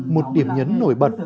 một điểm nhấn nổi bật